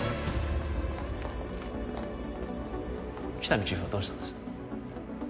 喜多見チーフはどうしたんです？